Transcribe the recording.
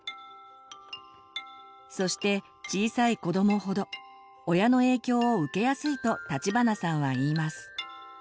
そして小さい子どもほど親の影響を受けやすいと立花さんは言います。